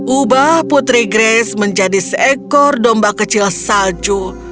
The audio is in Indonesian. ubah putri grace menjadi seekor domba kecil salju